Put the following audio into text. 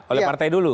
oleh partai dulu